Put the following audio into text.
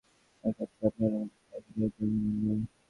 ও সত্যিই আপনার অনুমতি চায় যেটার প্রয়োজন ওর নেই।